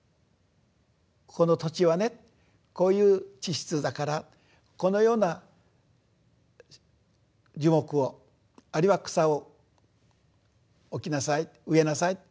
ここの土地はねこういう地質だからこのような樹木をあるいは草を置きなさい植えなさい。